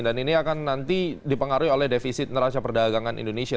dan ini akan nanti dipengaruhi oleh defisit neraca perdagangan indonesia